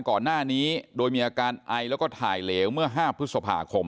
ก่อนหน้านี้โดยมีอาการไอแล้วก็ถ่ายเหลวเมื่อ๕พฤษภาคม